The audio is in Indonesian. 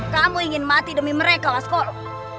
kamu ingin mati demi mereka sekolah